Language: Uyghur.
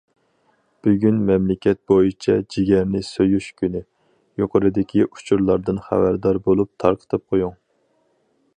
بۈگۈن مەملىكەت بويىچە جىگەرنى سۆيۈش كۈنى، يۇقىرىدىكى ئۇچۇرلاردىن خەۋەردار بولۇپ تارقىتىپ قويۇڭ.